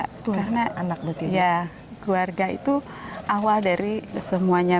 karena keluarga itu awal dari semuanya